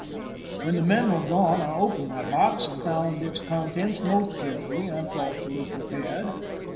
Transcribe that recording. When the men were gone I opened my box, and found its contents most carefully and thoughtfully prepared.